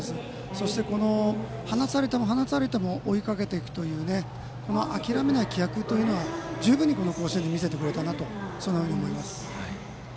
そして、離されても離されても追いかけていくという諦めない気迫は十分に甲子園で見せてくれたなと思います。